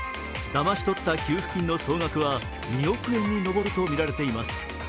だまし取った給付金の総額は２億円に上るとみられています。